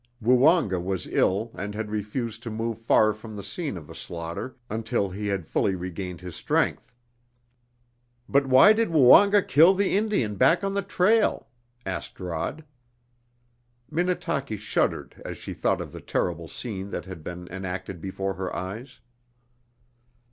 Woonga was ill and had refused to move far from the scene of the slaughter until he had fully regained his strength. "But why did Woonga kill the Indian back on the trail?" asked Rod. Minnetaki shuddered as she thought of the terrible scene that had been enacted before her eyes.